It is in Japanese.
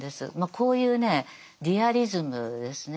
こういうねリアリズムですね。